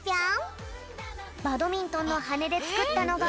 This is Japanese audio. バドミントンのはねでつくったのが。